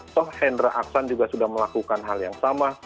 toh hendra aksan juga sudah melakukan hal yang sama